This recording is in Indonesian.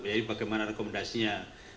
jadi bagaimana rekomendasinya